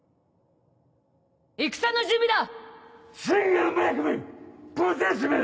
戦の準備だ！